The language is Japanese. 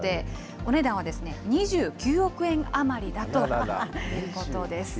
お値段は２９億円余りだということです。